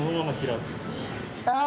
ああ！